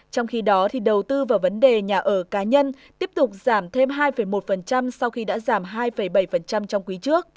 trong khi đó đầu tư vào vấn đề nhà ở cá nhân tiếp tục giảm thêm hai một sau khi đã giảm hai bảy trong quý trước